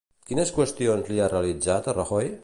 Quines qüestions li ha realitzat a Rajoy?